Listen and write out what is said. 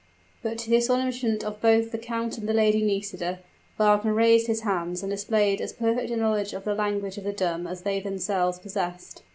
But, to the astonishment of both the count and the Lady Nisida, Wagner raised his hands, and displayed as perfect a knowledge of the language of the dumb as they themselves possessed.